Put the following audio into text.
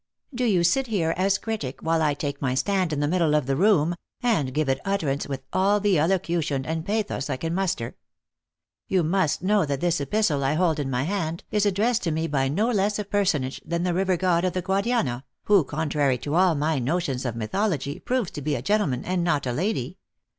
Do you sit here as critic, while I take my stand in the middle of the room, and give it utterance with all the elocution and pathos I can muster. You must know that this epistle I hold in my hand, is addressed to me by no less a person age than the river god of the Guadiana, who, contrary to all my notions of mythology, proves to be a gentle man, and not a lady."